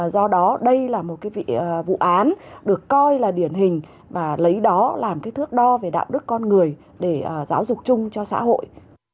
do đó đây là một cái vụ án được coi là điển hình và lấy đó làm cái thước đo về đạo đức con người để giáo dục chung cho xã hội